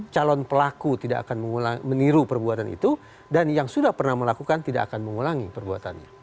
calon pelaku tidak akan meniru perbuatan itu dan yang sudah pernah melakukan tidak akan mengulangi perbuatannya